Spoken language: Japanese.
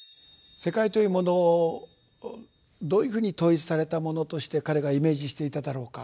世界というものをどういうふうに統一されたものとして彼がイメージしていただろうか。